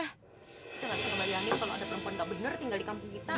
kita gak suka bayangin kalau ada perempuan gak bener tinggal di kampung kita